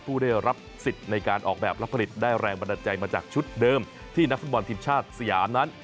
ผู้ได้รับสิทธิ์ในการออกแบบและผลิตได้แรงบันดาลใจมาจากชุดเดิมที่นักฟุตบอลทีมชาติสยามนั้น